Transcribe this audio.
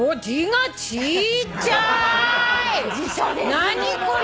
何これ。